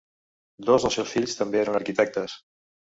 Dos dels seus fills també eren arquitectes.